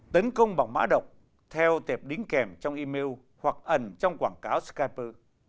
tấn công bằng mã độc theo tệp đính kèm trong email hoặc ẩn trong quảng cáo skyper